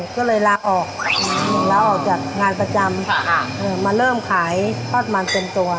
ก็เลยลาออกลาออกจากงานประจำมาเริ่มขายทอดมันเป็นตัว